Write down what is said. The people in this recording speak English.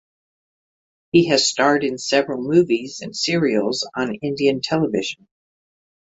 He has starred in several movies and serials on Indian television.